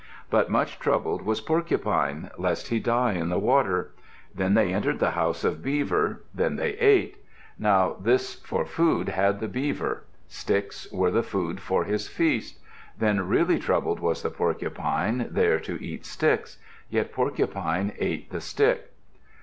But much troubled was Porcupine, lest he die in the water. Then they entered the house of Beaver. Then they ate. Now this for food had the Beaver: sticks were the food for his feast. Then really troubled was the Porcupine, there to eat sticks. Yet Porcupine ate the stick.